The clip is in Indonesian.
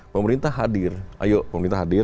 pemerintah hadir ayo pemerintah hadir